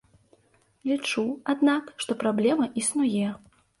Лічу, аднак, што праблема існуе.